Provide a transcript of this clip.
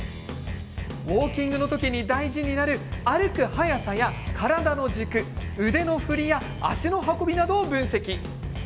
ウォーキングの時に大事になる歩く速さや体の軸腕の振りや足の運びなどを分析。